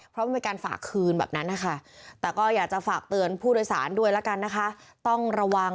เพราะไม่มีการฝากคืนแต่อยากจะฝากเตือนผู้โดยศาลด้วยนะคะ